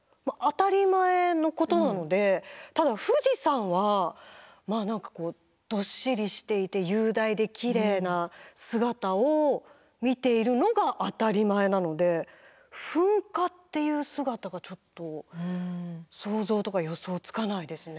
ただ富士山は何かどっしりしていて雄大できれいな姿を見ているのが当たり前なので噴火っていう姿がちょっと想像とか予想つかないですね。